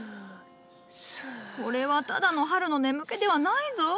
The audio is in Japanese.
これはただの春の眠気ではないぞ。